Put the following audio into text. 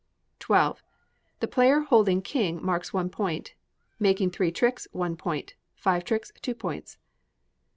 xii. The player holding king marks one point; making three tricks, one point; five tricks, two points.